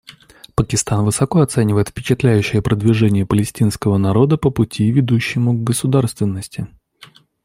Пакистан высоко оценивает впечатляющее продвижение палестинского народа по пути, ведущему к государственности.